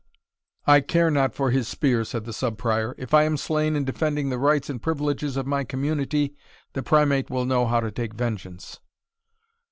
"I care not for his spear," said the Sub Prior; "if I am slain in defending the rights and privileges of my community, the Primate will know how to take vengeance."